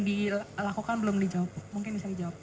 dilakukan belum dijawab mungkin bisa dijawab